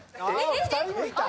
２人もいた！